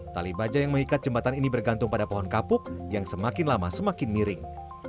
tali baja yang mengikat jembatan ini bergantung pada pohon kapuk yang semakin lama semakin miring